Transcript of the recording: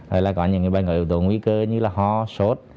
rồi là có những bệnh nhân có yếu tố nguy cơ như là ho sốt